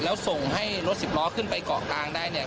แล้วส่งให้รถสิบล้อขึ้นไปเกาะกลางได้เนี่ย